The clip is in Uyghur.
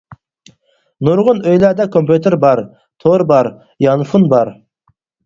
نۇرغۇن ئۆيلەردە كومپيۇتېر بار، تور بار، يانفون بار.